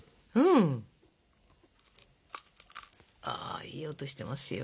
ああいい音してますよ。